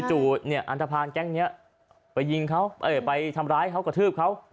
จู่เนี่ยอันทภาณแก๊งนี้ไปยิงเขาไปทำร้ายเขากระทืบเขา